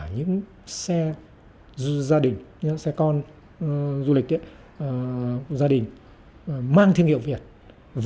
nhưng phải cho đến nay mới bắt đầu có doanh nghiệp xuất khẩu xe mang thương hiệu việt nam